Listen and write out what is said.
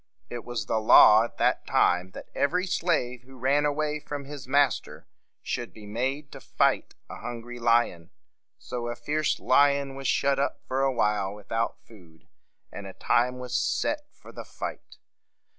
It was the law at that time that every slave who ran away from his master should be made to fight a hungry lion. So a fierce lion was shut up for a while without food, and a time was set for the fight.